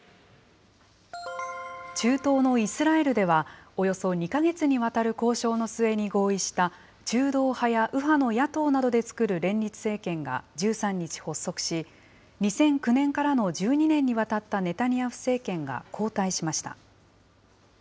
中東のイスラエルでは、およそ２か月にわたる交渉の末に合意した、中道派や右派の野党などで作る連立政権が１３日発足し、２００９年からの１２年にわたったネタニヤフ政権が交代しました。